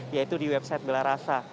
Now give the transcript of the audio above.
yaitu di website gelarasa